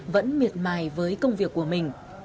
vẫn miệt mài với công việc của mình